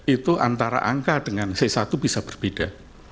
itu antara angka dengan c satu bisa berbeda